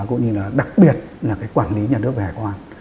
cũng như là đặc biệt là cái quản lý nhà nước về hải quan